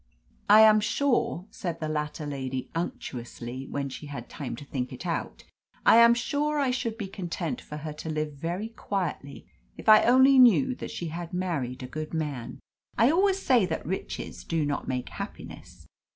"I am sure," said the latter lady unctuously, when she had had time to think it out, "I am sure I should be content for her to live very quietly if I only knew that she had married a good man. I always say that riches do not make happiness."